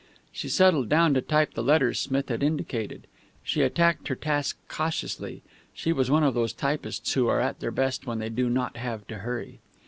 She settled down to type the letters Smith had indicated. She attacked her task cautiously. She was one of those typists who are at their best when they do not have to hurry.